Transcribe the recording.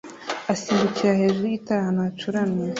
asimbukira hejuru yigitare ahantu hacuramye